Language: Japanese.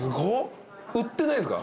売ってないんですか？